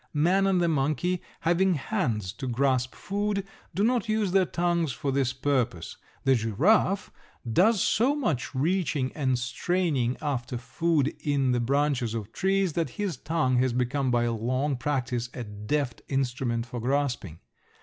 Man and the monkey, having hands to grasp food, do not use their tongues for this purpose. The giraffe does so much reaching and straining after food in the branches of trees that his tongue has become by long practice a deft instrument for grasping.